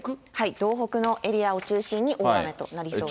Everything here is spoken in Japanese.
道北のエリアを中心に、大雨となりそうです。